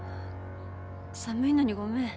寒いのにごめん。